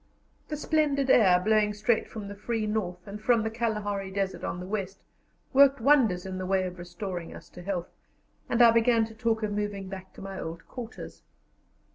The splendid air blowing straight from the free north and from the Kalahari Desert on the west worked wonders in the way of restoring us to health, and I began to talk of moving back to my old quarters.